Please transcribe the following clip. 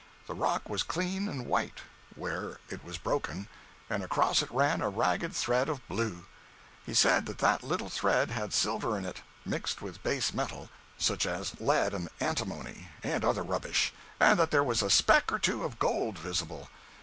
The rock was clean and white, where it was broken, and across it ran a ragged thread of blue. He said that that little thread had silver in it, mixed with base metal, such as lead and antimony, and other rubbish, and that there was a speck or two of gold visible.